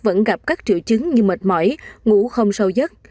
vẫn gặp các triệu chứng như mệt mỏi ngủ không sâu giấc